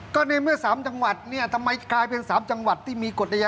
ก็ในเมื่อ๓จังหวัดเนี่ยทำไมกลายเป็น๓จังหวัด